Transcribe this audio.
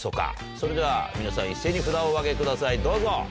それでは皆さん一斉に札をお上げくださいどうぞ。